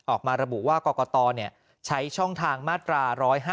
ออกมาระบุว่ากรกตใช้ช่องทางมาตรา๑๕